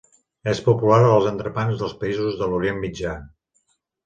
És popular als entrepans dels països de l'Orient Mitjà.